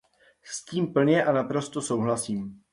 S tím plně a naprosto souhlasím.